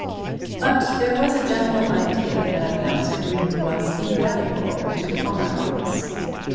But there was a general idea that Mounser Green was invaluable to the Foreign Office.